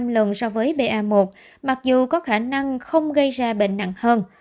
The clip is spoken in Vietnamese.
lần so với ba một mặc dù có khả năng không gây ra bệnh nặng hơn